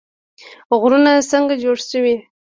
غرونه څنګه جوړ شوي؟